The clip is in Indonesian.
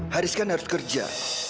haris kan harus kerja